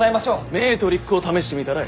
メートリックを試してみたらええ！